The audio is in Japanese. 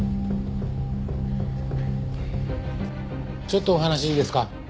ちょっとお話いいですか？